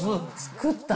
作ったん？